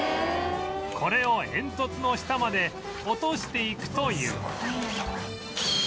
これを煙突の下まで落としていくという